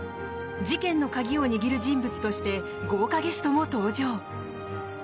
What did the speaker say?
事件の鍵を握る人物として豪華ゲストも登場。